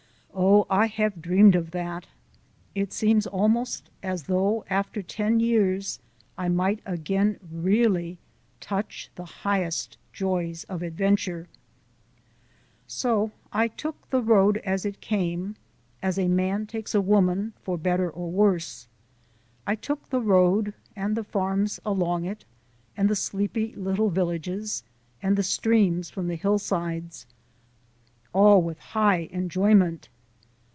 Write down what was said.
Oh, I have dreamed of that! It seems almost as though, after ten years, I might again really touch the highest joys of adventure! So I took the Road as it came, as a man takes a woman, for better or worse I took the Road, and the farms along it, and the sleepy little villages, and the streams from the hillsides all with high enjoyment.